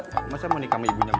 eh masa mau nikah sama ibunya bu ani